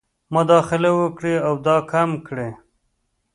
مداخله وکړي او دا کم کړي.